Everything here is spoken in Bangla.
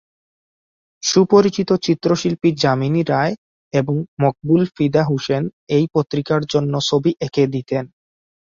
সুপরিচিত চিত্রশিল্পী যামিনী রায় এবং মকবুল ফিদা হুসেন এই পত্রিকার জন্য ছবি এঁকে দিতেন।